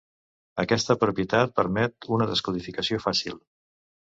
Aquesta propietat permet una descodificació fàcil.